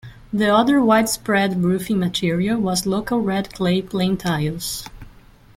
The other widespread roofing material was local red clay plain tiles.